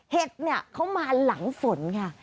เห็ดเนี่ยเขามาหลังฝนค่ะ